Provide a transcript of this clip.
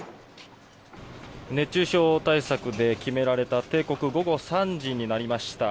熱中症対策で決められた定刻午後３時になりました。